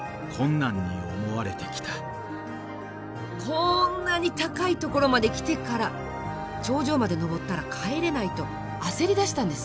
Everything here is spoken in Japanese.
こんなに高いところまで来てから頂上まで登ったら帰れないと焦りだしたんです。